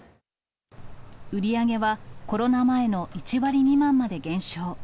売り上げはコロナ前の１割未満まで減少。